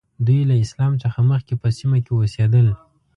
دوی له اسلام څخه مخکې په سیمه کې اوسېدل.